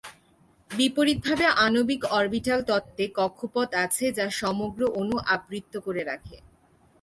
বিপরীতভাবে, আণবিক অরবিটাল তত্ত্বে, কক্ষপথ আছে যা সমগ্র অণু আবৃত করে রাখে।